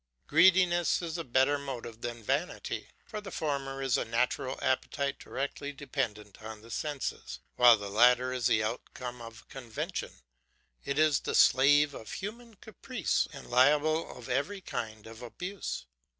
Greediness is a better motive than vanity; for the former is a natural appetite directly dependent on the senses, while the latter is the outcome of convention, it is the slave of human caprice and liable to every kind of abuse.